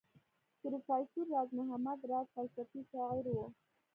پروفیسر راز محمد راز فلسفي شاعر وو.